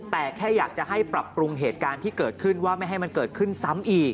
แต่แค่อยากจะให้ปรับปรุงเหตุการณ์ที่เกิดขึ้นว่าไม่ให้มันเกิดขึ้นซ้ำอีก